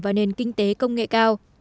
và nền kinh tế công nghệ cao